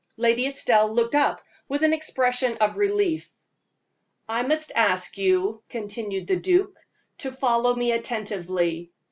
Lady Estelle looked up with an expression of relief. "I must ask you," continued the duke, "to follow me attentively.